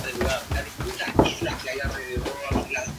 El texto está escrito en letra semi cursiva.